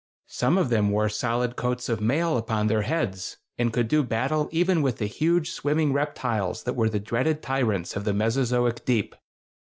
Some of them wore solid coats of mail upon their heads, and could do battle even with the huge swimming reptiles that were the dreaded tyrants of the Mesozoic deep.